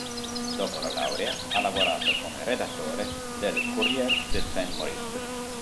Dopo la laurea ha lavorato come redattore del "Courrier de St-Moritz".